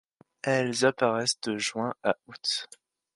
Elles apparaissent de juin à août.